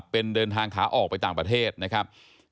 เป็นเดินทางขาออกไปต่างประเทศนะครับ